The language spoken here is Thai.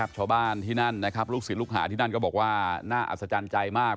ชาวบ้านที่นั่นนะครับลูกศิษย์ลูกหาที่นั่นก็บอกว่าน่าอัศจรรย์ใจมาก